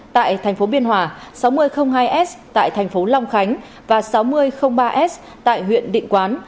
tại tp biên hòa sáu nghìn hai s tại tp long khánh và sáu nghìn ba s tại huyện định quán